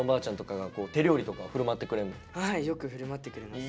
はいよく振る舞ってくれます。